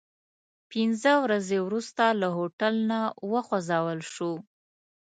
پنځه ورځې وروسته له هوټل نه وخوځول شوو.